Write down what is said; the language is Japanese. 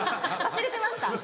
忘れてました。